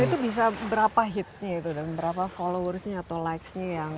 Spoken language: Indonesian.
itu bisa berapa hitsnya itu dan berapa followersnya atau likesnya yang